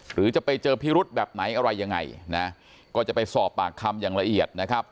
หรือจะไปเจอพิรุธแบบไหนอะไรยังไงนะก็จะไปสอบปากคำอย่างละเอียดนะครับ